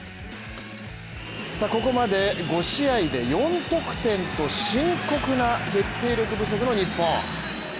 さあここまで５試合で４得点と深刻な決定力不足の日本